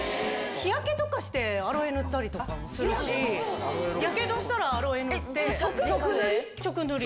日焼けとかしてアロエ塗ったりとかもするし、やけどしたら、直塗り？